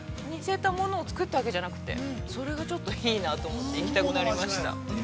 似せたものをつくったわけじゃなくて、それがちょっといいなと思って、行きたくなりました。